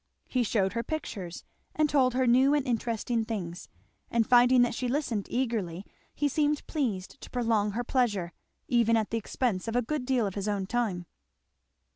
He shewed her pictures, and told her new and interesting things; and finding that she listened eagerly he seemed pleased to prolong her pleasure, even at the expense of a good deal of his own time.